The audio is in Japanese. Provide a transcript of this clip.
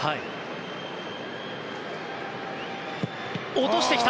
落としてきた。